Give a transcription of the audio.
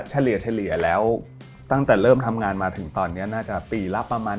เฉลี่ยแล้วตั้งแต่เริ่มทำงานมาถึงตอนนี้น่าจะปีละประมาณ